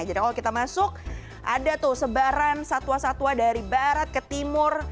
jadi kalau kita masuk ada tuh sebaran satwa satwa dari barat ke timur